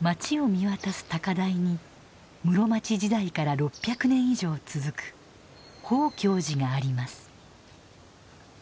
町を見渡す高台に室町時代から６００年以上続く宝鏡寺があります。